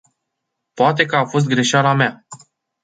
Poate că a fost greșeala mea.